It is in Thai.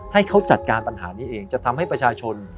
ให้เขาจัดการปัญหานี้เองจะทำให้ประชาชน